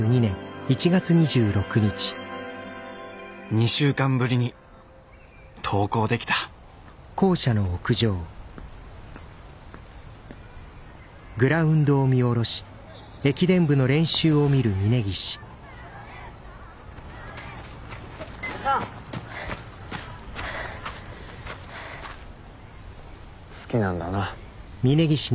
２週間ぶりに登校できた好きなんだな。